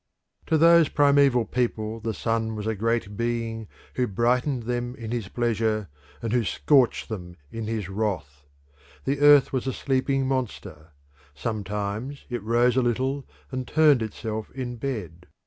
To those primeval people the sun was a great being who brightened them in his pleasure and who scorched then in his wrath. The earth was a sleeping monster: sometimes it rose a little and turned itself in bed.